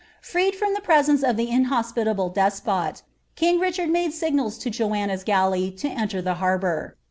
rd ftoto ilie presence of the inhospitable despot, king Richard '■ rignals for Joanna's galley to enter the harbour.